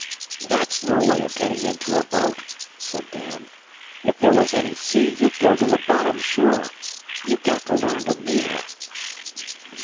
"That's no way o' gettin' into a boat," said Dan. "Ef there was any sea you'd go to the bottom, sure. You got to learn to meet her."